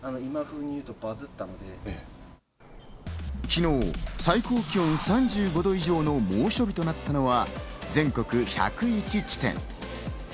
昨日、最高気温３５度以上の猛暑日となったのは、全国１０１地点。